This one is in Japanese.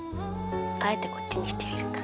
あえてこっちにしてみるか。